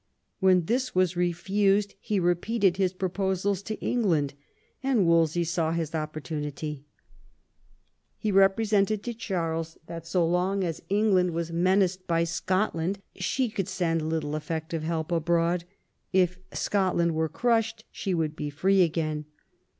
When this was refused, he repeated his proposals to England, and Wolsey saw his oppor tunity; He represented to Charles that so long as England was menaced by Scotland she could send little effective help abroad; if Scotland were crushed she would be free again.